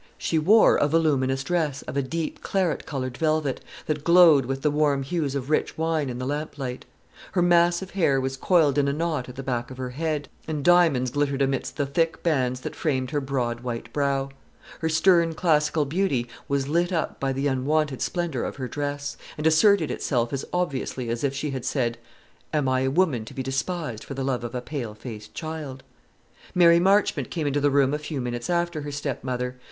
She wore a voluminous dress of a deep claret coloured velvet, that glowed with the warm hues of rich wine in the lamplight. Her massive hair was coiled in a knot at the back of her head, and diamonds glittered amidst the thick bands that framed her broad white brow. Her stern classical beauty was lit up by the unwonted splendour of her dress, and asserted itself as obviously as if she had said, "Am I a woman to be despised for the love of a pale faced child?" Mary Marchmont came into the room a few minutes after her stepmother.